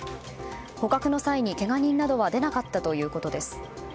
捕獲の際に、けが人などは出なかったということです。